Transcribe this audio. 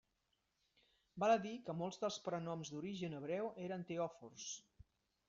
Val a dir que molts dels prenoms d'origen hebreu eren teòfors.